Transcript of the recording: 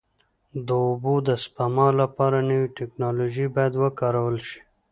د اوبو د سپما لپاره نوې ټکنالوژي باید وکارول شي.